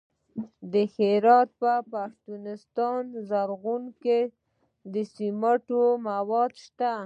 د هرات په پشتون زرغون کې د سمنټو مواد شته.